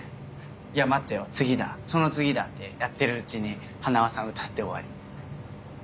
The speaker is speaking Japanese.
「いや待てよ次だその次だ」ってやってるうちにはなわさん歌って終わり。